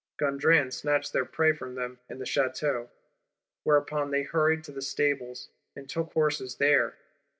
Gondran snatched their prey from them in the Château; whereupon they hurried to the Stables, and took horse there.